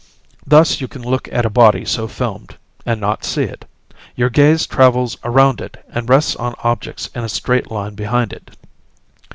Thus, you can look at a body so filmed, and not see it: your gaze travels around it and rests on objects in a straight line behind it.